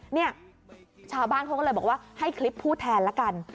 เนี่ยชาวบ้านเขาก็เลยบอกว่าให้คลิปพูดแทนละกัน